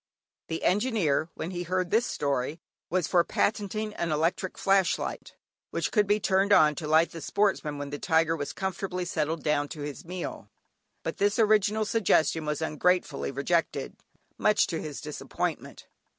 The Engineer, when he heard this story was for patenting an electric flash light, which could be turned on to light the Sportsman when the tiger was comfortably settled down to his meal, but this original suggestion was ungratefully rejected, much to his disappointment.